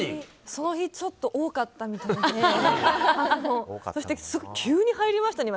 その日、ちょっと多かったんですよね。